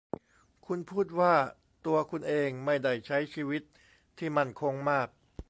คุณพูดว่าตัวคุณเองไม่ได้ใช้ชีวิตที่มั่นคงมาก